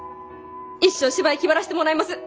一生芝居気張らしてもらいます。